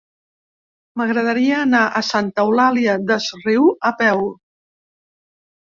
M'agradaria anar a Santa Eulària des Riu a peu.